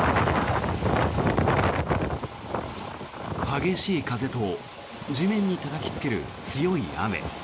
激しい風と地面にたたきつける強い雨。